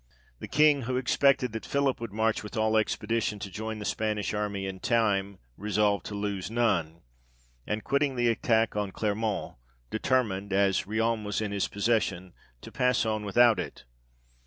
The King, who expected that Philip would march with all expedition to join the Spanish army in time, resolved to lose none ; and quitting the attack on Clermont, determined, as Riom was in his possession, to pass on without it.